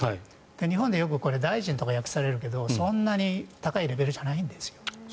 日本ではよく大臣とか訳されるけどそんなに高いレベルじゃないんですよ。